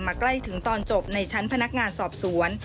ใกล้ถึงตอนจบในชั้นพนักงานสอบสวน